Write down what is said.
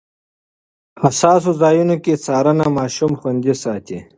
حساسو ځایونو کې څارنه ماشوم خوندي ساتي.